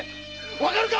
わかるか！